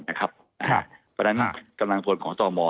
เพราะฉะนั้นกำลังพลของตม